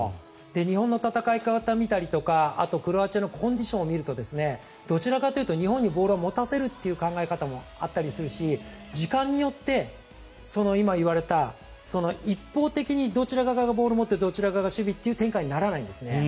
日本の戦い方を見たりとかクロアチアのコンディションを見るとどちらかというと日本にボールを持たせるという考え方もあったりするし時間によって、今言われた一方的にどちら側がボールを持ってどちら側が守備という展開にならないんですね。